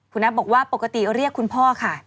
คุณนัทบอกว่าปกติเรียกคุณพ่อค่ะ